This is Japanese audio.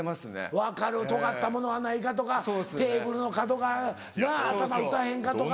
分かるとがったものはないかとかテーブルの角がな頭打たへんかとか。